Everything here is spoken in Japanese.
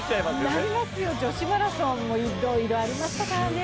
なりますよ、女子マラソンもいろいろありましたからね。